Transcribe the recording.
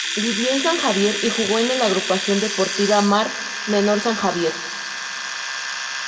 Vivió en San Javier y jugó en el Agrupación Deportiva Mar Menor-San Javier.